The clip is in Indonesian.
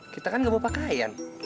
kita kan gak bawa pakaian